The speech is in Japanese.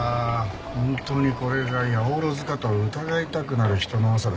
本当にこれが八百万かと疑いたくなる人の多さですね。